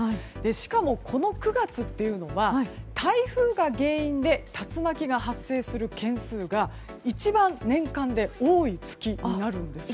しかも、この９月というのは台風が原因で竜巻が発生する件数が一番年間で多い月になるんです。